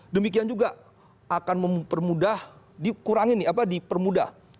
demikian juga akan mempermudah dikurangi nih apa dipermudah